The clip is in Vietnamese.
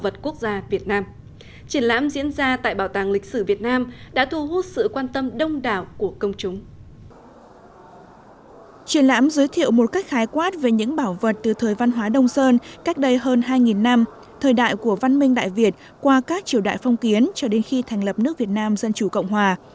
triển lãm giới thiệu một cách khái quát về những bảo vật từ thời văn hóa đông sơn cách đây hơn hai năm thời đại của văn minh đại việt qua các triều đại phong kiến cho đến khi thành lập nước việt nam dân chủ cộng hòa